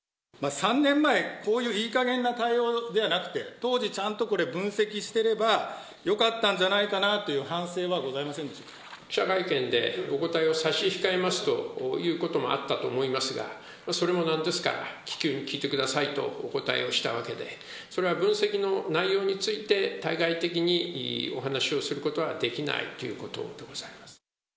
３年前、こういういいかげんな対応ではなくて、当時ちゃんと、これ、分析してればよかったんじゃないかなという反省はございませんで記者会見で、お答えを差し控えますということもあったと思いますが、それもなんですから、気球に聞いてくださいとお答えをしたわけで、それは分析の内容について、対外的にお話しをすることはできないということでございます。